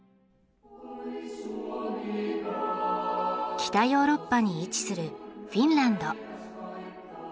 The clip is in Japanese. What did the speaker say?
北ヨーロッパに位置するフィンランド。